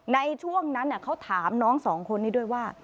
ในช่วงนั้นเขาถามน้องสองคนนี้ด้วยว่า